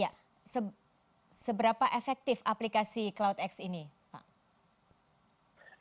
ya seberapa efektif aplikasi cloudx ini pak